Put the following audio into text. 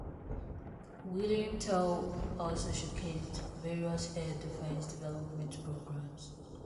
William Tell also showcased various air defense development programs.